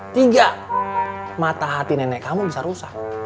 tiga mata hati nenek kamu bisa rusak